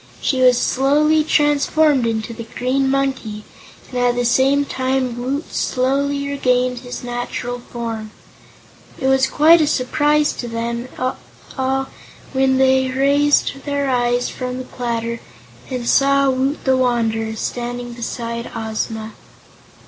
She was slowly transformed into the Green Monkey, and at the same time Woot slowly regained his natural form. It was quite a surprise to them all when they raised their eyes from the platter and saw Woot the Wanderer standing beside Ozma.